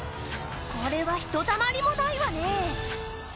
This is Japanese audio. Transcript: これはひとたまりもないわね